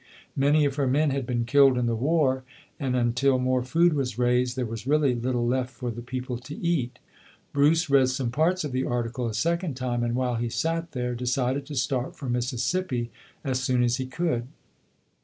Many of her men had been killed in the war, and until more food was raised there was really little left for the people to eat. Bruce read some parts of the article a second time, and while he sat there, decided to start for Mississippi as soon as he could.